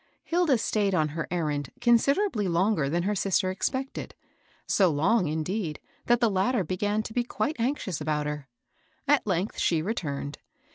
Hilda stayed on her errand considerably longer than her sister expected, — so long, indeed, that the latter began to be quite anxious about her. At length, she returned.